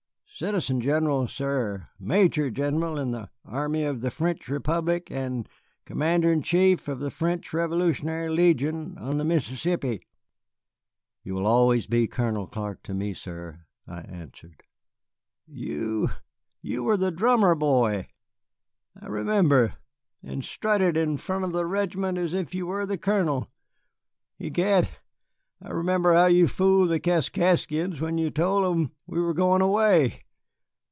"Citizen General, sir, Major general in the army of the French Republic and Commander in chief of the French Revolutionary Legion on the Mississippi." "You will always be Colonel Clark to me, sir," I answered. "You you were the drummer boy, I remember, and strutted in front of the regiment as if you were the colonel. Egad, I remember how you fooled the Kaskaskians when you told them we were going away."